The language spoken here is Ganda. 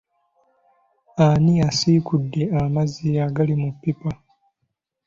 Ani asiikudde amazzi agali mu pipa?